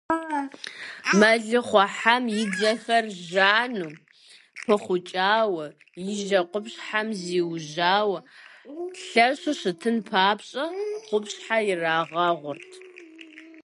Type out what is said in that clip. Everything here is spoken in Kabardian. Мэлыхъуэхьэм и дзэхэр жану, пыхъукӀауэ, и жьэ къупщхьэм зиужьауэ, лъэщу щытын папщӀэ къупщхьэ ирагъэгъурт.